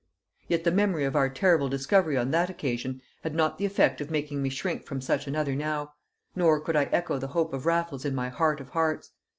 Yet the memory of our terrible discovery on that occasion had not the effect of making me shrink from such another now; nor could I echo the hope of Raffles in my heart of hearts.